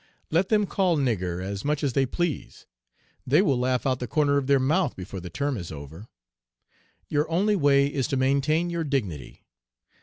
"'Let them call "nigger" as much as they please; they will laugh out of the other corner of their mouth before the term is over. "'Your only way is to maintain your dignity.